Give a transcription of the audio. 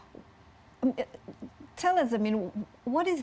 apa cara terbaik untuk mengatasi ini